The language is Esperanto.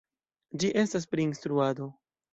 Ĝi estas pri instruado.